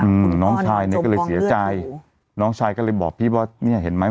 อืมน้องชายเนี้ยก็เลยเสียใจน้องชายก็เลยบอกพี่ว่าเนี้ยเห็นไหม